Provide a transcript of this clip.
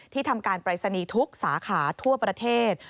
ทำการปรายศนีย์ทุกสาขาทั่วประเทศ